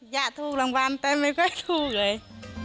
อยากถูกรางวัลแต่ไม่ค่อยถูกเลย